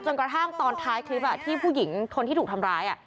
กระทั่งตอนท้ายคลิปที่ผู้หญิงคนที่ถูกทำร้าย